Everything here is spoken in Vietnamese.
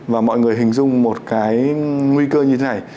và mọi người hình dung một cái nguy cơ như thế này